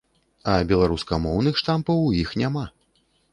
А беларускамоўных штампаў у іх няма.